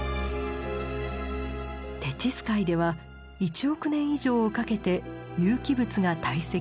テチス海では１億年以上をかけて有機物が堆積。